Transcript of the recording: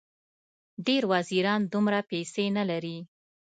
ډېر وزیران دومره پیسې نه لري.